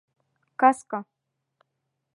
Каска